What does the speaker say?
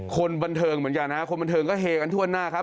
คนบันเทิงเหมือนกันนะคนบันเทิงก็เฮกันทั่วหน้าครับ